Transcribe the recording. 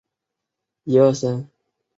于是其校队由此得名。